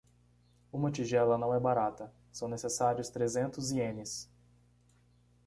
Uma tigela não é barata, são necessários trezentos ienes.